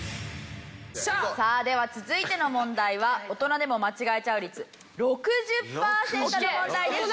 さあでは続いての問題は大人でも間違えちゃう率６０パーセントの問題です